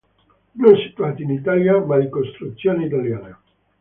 Non situati in Italia, ma di costruzione italiana.